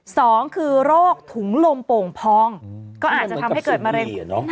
สองคือโรคถุงลมโป่งพองก็อาจจะทำให้เกิดมะเร็ง